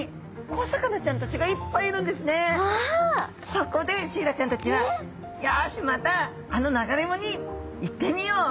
そこでシイラちゃんたちは「よしまたあの流れ藻に行ってみよう。